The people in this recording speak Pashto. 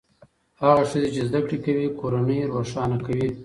هغه ښځې چې زده کړې کوي کورنۍ روښانه کوي.